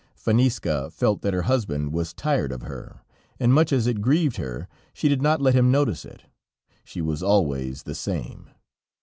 Faniska felt that her husband was tired of her, and much as it grieved her, she did not let him notice it; she was always the same.